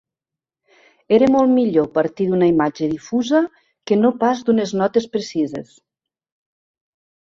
Era molt millor partir d'una imatge difusa que no pas d'unes notes precises.